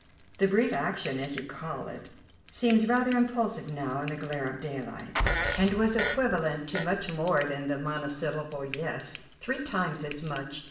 "The brief action, as you call it, seems rather impulsive now in the glare of daylight, and was equivalent to much more than the monosyllable 'Yes'. Three times as much.